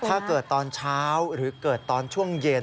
ตอนเช้าหรือเกิดตอนช่วงเย็น